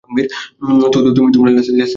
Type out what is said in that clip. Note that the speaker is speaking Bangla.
তুমি লেসলি সামার্সকে চেনো?